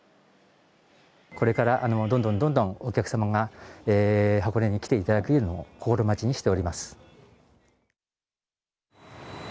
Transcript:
これからどんどんどんどん、お客様が箱根に来ていただけるのを心待ちにしております。